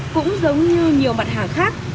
cũng giống như nhiều mặt hàng khác